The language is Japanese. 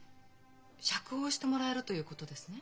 釈放してもらえるということですね？